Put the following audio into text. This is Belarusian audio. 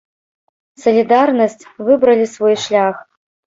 Салідарнасць, выбралі свой шлях.